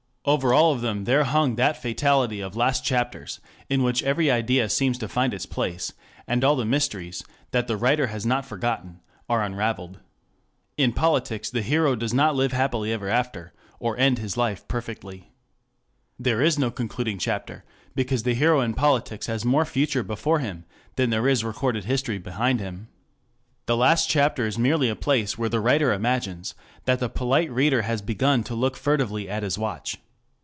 Over all of them there hung that fatality of last chapters, in which every idea seems to find its place, and all the mysteries, that the writer has not forgotten, are unravelled. In politics the hero does not live happily ever after, or end his life perfectly. There is no concluding chapter, because the hero in politics has more future before him than there is recorded history behind him. The last chapter is merely a place where the writer imagines that the polite reader has begun to look furtively at his watch.